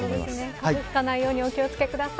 風邪ひかないようにお気を付けください。